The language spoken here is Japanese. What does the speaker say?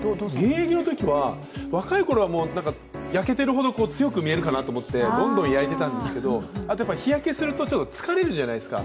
現役のときは若いころは焼けているほど強く見えるかなと思ってどんどん焼いてたんですけど、日焼けすると疲れるじゃないですか、